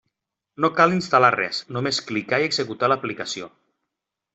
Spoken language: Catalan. No cal instal·lar res, només clicar i executar l'aplicació.